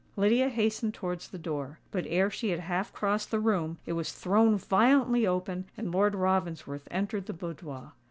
Lydia hastened towards the door; but ere she had half crossed the room, it was thrown violently open, and Lord Ravensworth entered the boudoir.